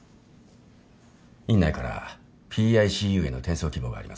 院内からＰＩＣＵへの転送希望があります。